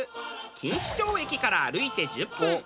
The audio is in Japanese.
錦糸町駅から歩いて１０分。